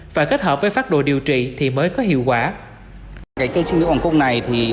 và kết hợp với phát đồ điều trị thì mới có hiệu quả